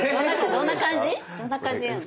どんな感じでやるの？